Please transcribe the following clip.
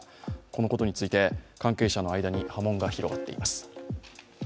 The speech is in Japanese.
このことについて、関係者の間に波紋が広がっています。